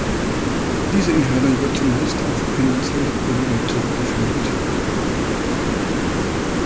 Diese Entscheidung wird zumeist auf finanzielle Gründe zurückgeführt.